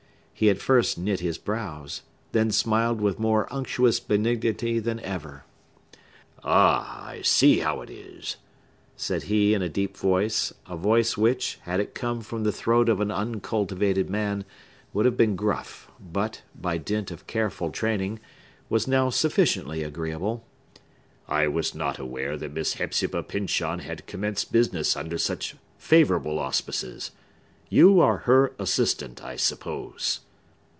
He at first knit his brows; then smiled with more unctuous benignity than ever. "Ah, I see how it is!" said he in a deep voice,—a voice which, had it come from the throat of an uncultivated man, would have been gruff, but, by dint of careful training, was now sufficiently agreeable,—"I was not aware that Miss Hepzibah Pyncheon had commenced business under such favorable auspices. You are her assistant, I suppose?"